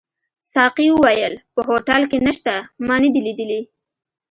ساقي وویل: په هوټل کي نشته، ما نه دي لیدلي.